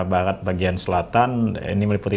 barat bagian selatan ini meliputi